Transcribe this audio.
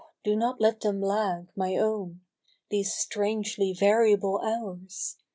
do not let them lag, my own, These strangely variable hours !